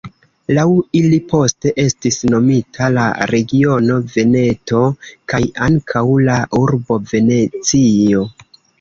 Laŭ ili poste estis nomita la regiono Veneto, kaj ankaŭ la urbo Venecio.